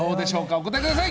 お答えください。